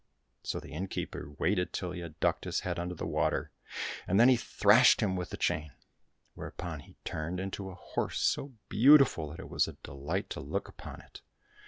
So the innkeeper waited till he had ducked his head under the water, and then he thrashed him with the chain, whereupon he turned into a horse so beautiful that it was a delight to look upon it.